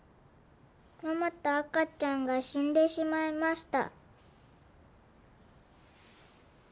ママと赤ちゃんが死んでしまいました。